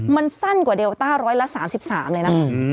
มันสั้นกว่าเดลต้าร้อยละ๓๓เลยนะ